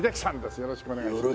よろしくお願いします。